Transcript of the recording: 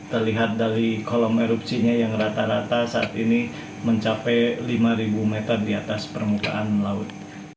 terlihat dari kolom erupsinya yang rata rata saat ini mencapai lima meter di atas permukaan laut